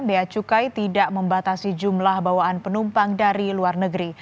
bea cukai tidak membatasi jumlah bawaan penumpang dari luar negeri